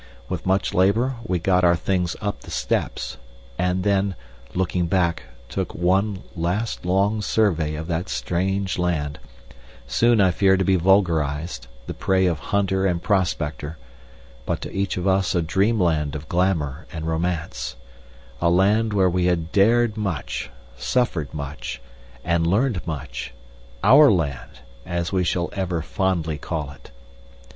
With much labor we got our things up the steps, and then, looking back, took one last long survey of that strange land, soon I fear to be vulgarized, the prey of hunter and prospector, but to each of us a dreamland of glamour and romance, a land where we had dared much, suffered much, and learned much OUR land, as we shall ever fondly call it.